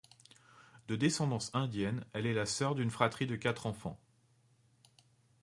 De descendance indienne, elle est la sœur d'une fratrie de quatre enfants.